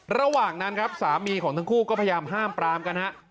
ระหว่างนั้นครับสามีของทั้งคู่ก็พยายามห้ามปรามกันฮะ